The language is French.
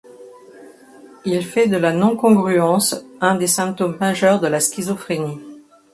Il fait de la non-congruence un des symptômes majeurs de la schizophrénie.